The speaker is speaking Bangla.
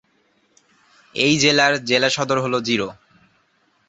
এই জেলার জেলাসদর হল জিরো।